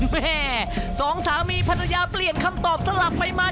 แม่สองสามีภรรยาเปลี่ยนคำตอบสลับไปมา